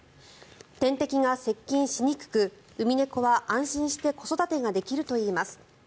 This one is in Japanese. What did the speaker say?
天敵が接近しにくくウミネコは安心して子育てができるといいます。